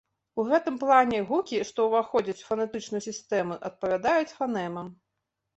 У гэтым плане гукі, што ўваходзяць у фанетычную сістэму, адпавядаюць фанемам.